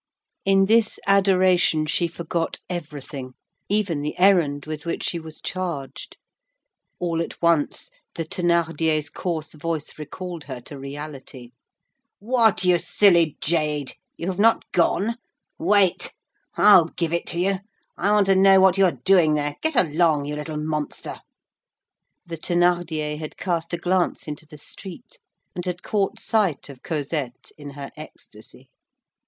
In this adoration she forgot everything, even the errand with which she was charged. All at once the Thénardier's coarse voice recalled her to reality: "What, you silly jade! you have not gone? Wait! I'll give it to you! I want to know what you are doing there! Get along, you little monster!" The Thénardier had cast a glance into the street, and had caught sight of Cosette in her ecstasy.